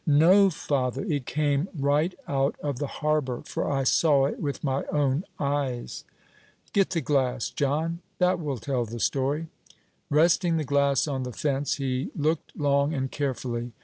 "No, father; it came right out of the harbor, for I saw it with my own eyes." "Get the glass, John; that will tell the story." Resting the glass on the fence, he looked long and carefully.